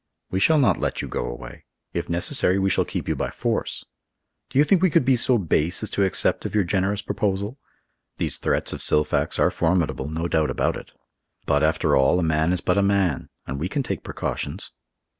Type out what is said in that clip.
We shall not let you go away; if necessary, we shall keep you by force. Do you think we could be so base as to accept of your generous proposal? These threats of Silfax are formidable—no doubt about it! But, after all, a man is but a man, and we can take precautions.